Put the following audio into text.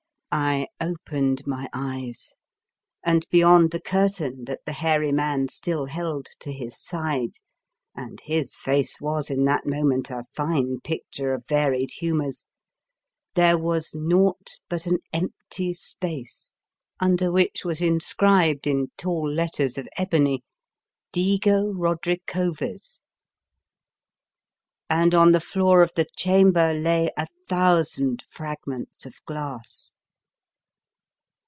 I opened my eyes, and beyond the curtain that the hairy man still held to his side (and his face was in that moment a fine picture of varied humours) there was naught but an empty space, under which was in scribed in tall letters of ebony: " DIGO RODRICOVEZ," 92 The Fearsome Island and on the floor of the chamber lay a thousand fragments of glass.